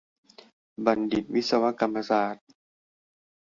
บัณฑิตวิศวกรรมศาสตร์